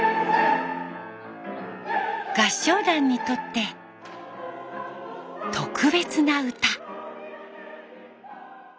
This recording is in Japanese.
合唱団にとって特別な歌。